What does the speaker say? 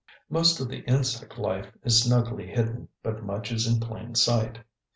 Most of the insect life is snugly hidden, but much is in plain sight.